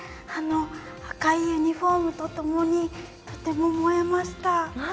赤いユニフォームとともにとても燃えました。